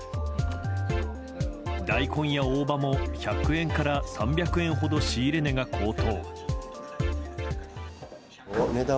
大根や大葉も１００円から３００円ほど仕入れ値が高騰。